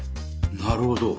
なるほど。